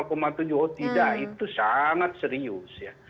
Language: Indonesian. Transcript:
oh tidak itu sangat serius ya